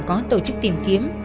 có tổ chức tìm kiếm